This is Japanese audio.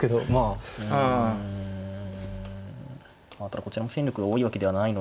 ただこちらも戦力が多いわけではないのでまあ。